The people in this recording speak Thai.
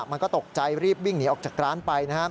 มันก็ตกใจรีบวิ่งหนีออกจากร้านไปนะครับ